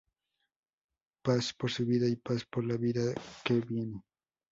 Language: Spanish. Paz por su vida, y paz para la vida que viene".